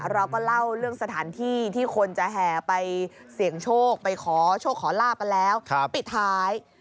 เราก็เล่าเรื่องสถานที่ที่คนจะแห่ไปเสี่ยงโชคไปขอโชคขอลาบกันแล้วปิดท้าย